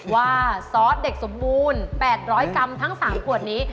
ซอสเด็กสมบูรณ์๘๐๐กรัมทั้ง๓ขวดนี้